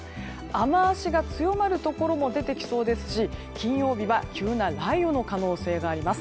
雨脚が強まるところも出てきそうですし金曜日は急な雷雨の可能性があります。